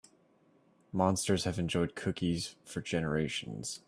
Monsters have enjoyed cookies for generations.